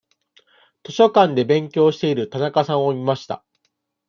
図書館で勉強している田中さんを見ました。